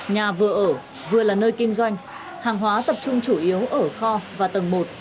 nhà vừa ở vừa là nơi kinh doanh hàng hóa tập trung chủ yếu ở kho và tầng một